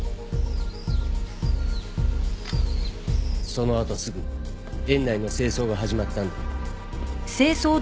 そのあとすぐ園内の清掃が始まったんで。